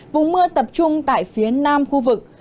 vùng mưa tập trung tại phía nam khu vực